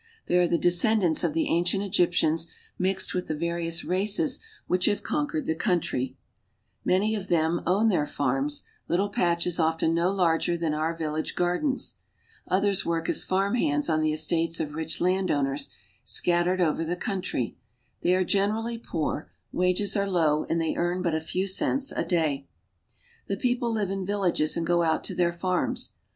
They are the descendants of the ancient Egyptians mixed with the various races which have conquered the country. Many EGVIT— A TRIP THROUGH THE COUNTRY L of them own their fanns, iiltic patciies oltcn nu Uiij^er than tour village gardens. Others work as farm hands on the Jiestates of rich landowners, scattered over the country, "hey are generally poor; wages are low, and they earn t a few cents a day. The people live in villages and go ont to their farms.